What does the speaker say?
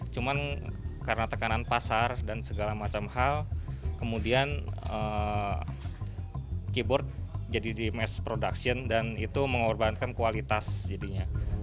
cuman karena tekanan pasar dan segala macam hal kemudian keyboard jadi di mass production dan itu mengorbankan kualitas jadinya